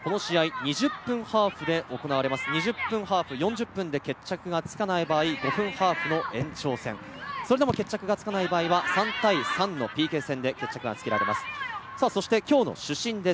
２０分ハーフ、４０分で決着がつかない場合、５分ハーフの延長戦、それでも決着がつかない場合は、３対３のＰＫ戦で決着がつけられます。